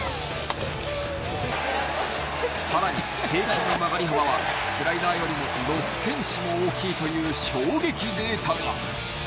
さらに平均の曲がり幅はスライダーよりも６ｃｍも大きいという衝撃データが。